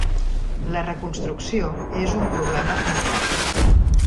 La "reconstrucció" és un problema invers.